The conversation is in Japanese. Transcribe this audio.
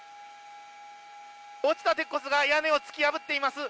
落ちた鉄骨が屋根を突き破っています。